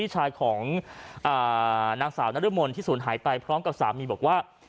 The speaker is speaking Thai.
นางสาวนรมนที่สูญหายไปพร้อมกับสามีบอกว่า